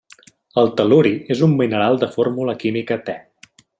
El tel·luri és un mineral de fórmula química Te.